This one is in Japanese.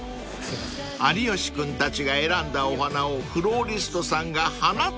［有吉君たちが選んだお花をフローリストさんが花束に］